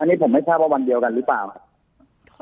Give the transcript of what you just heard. อันนี้ผมไม่ทราบว่าวันเดียวกันหรือเปล่าครับ